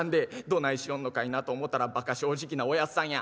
どないしよんのかいなと思うたらばか正直なおやっさんや。